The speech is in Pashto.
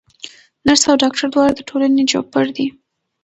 نرس او ډاکټر دواړه د ټولني چوپړ کوي.